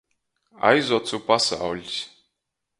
Aizocu pasauļs.